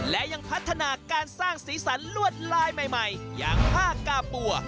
และยังพัฒนาการสร้างสีสันลวดลายใหม่อย่างผ้ากาปัว